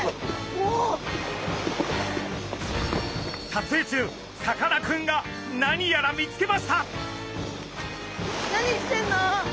撮影中さかなクンがなにやら見つけました！